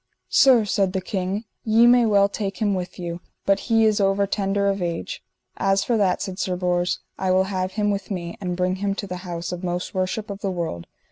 Sir, said the king, ye may well take him with you, but he is over tender of age. As for that, said Sir Bors, I will have him with me, and bring him to the house of most worship of the world.